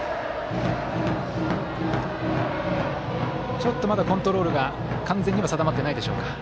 ちょっと、まだコントロールが完全には定まっていないでしょうか。